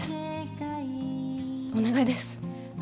お願いです。